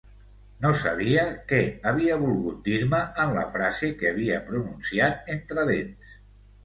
No sabia què havia volgut dir-me en la frase que havia pronunciat entre dents.